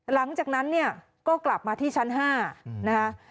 หลังจากนั้นเนี่ยก็กลับมาที่ชั้น๕นะคะ